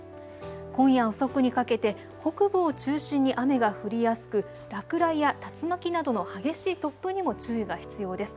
今夜遅くにかけて北部を中心に雨が降りやすく落雷や竜巻などの激しい突風にも注意が必要です。